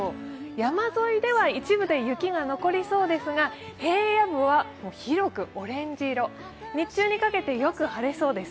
山沿いでは一部で雪が残りそうですが、平野部は広くオレンジ色日中にかけてよく晴れそうです。